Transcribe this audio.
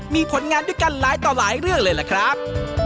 มีผลงานด้วยกันหลายต่อหลายเรื่องเลยล่ะครับ